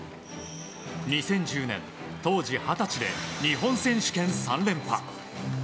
２０１０年、当時二十歳で日本選手権３連覇。